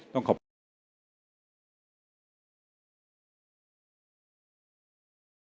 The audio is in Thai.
ต้องขอบคุณ